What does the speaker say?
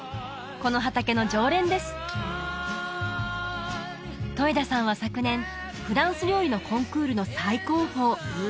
この畑の常連です戸枝さんは昨年フランス料理のコンクールの最高峰Ｂｏｃｕｓｅｄ